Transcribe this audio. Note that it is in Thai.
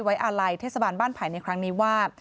อาลัยเทศบาลบ้านไผ่ในครั้งนี้ว่า